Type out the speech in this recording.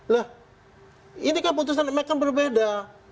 lah ini kan putusan mereka berbeda